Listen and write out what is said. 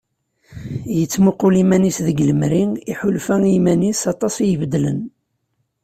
Yettmuqul udem-is deg lemri, iḥulfa i yiman-is aṭas i ibeddlen.